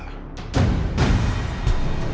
dia gak boleh sejarah